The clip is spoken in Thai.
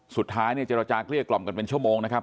สุดท้ายเนี่ยเจรจาเกลี้ยกล่อมกันเป็นชั่วโมงนะครับ